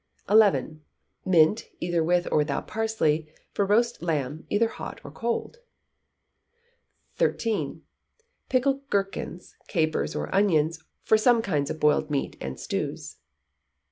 xii. Mint, either with or without parsley, for roast lamb, either hot or cold. xiii. Pickled gherkins, capers, or onions, for some kinds of boiled meat and stews.